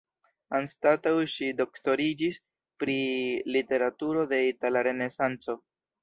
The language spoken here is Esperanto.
Anstataŭ ŝi doktoriĝis pri literaturo de Itala Renesanco.